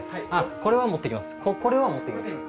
これは持って行きます。